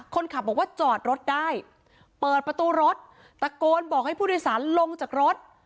คนขับบอกว่าจอดรถได้เปิดประตูรถตะโกนบอกให้ผู้โดยสารลงจากรถ